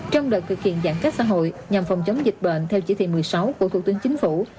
trong đợt thực hiện giãn cách xã hội nhằm phòng chống dịch bệnh theo chỉ thị một mươi sáu của thủ tướng chính phủ